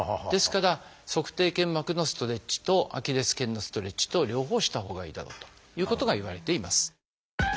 ですから足底腱膜のストレッチとアキレス腱のストレッチと両方したほうがいいだろうということがいわれています。